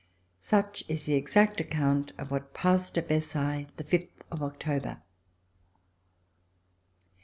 Such is the exact account of what passed at Ver sailles the fifth of October.